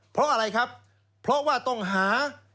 เพราะอะไรครับเพราะว่าต้องหา